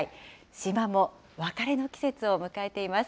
島も別れの季節を迎えています。